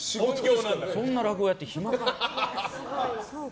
そんな落語やって暇かって。